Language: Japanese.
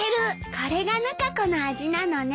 これがぬか子の味なのね。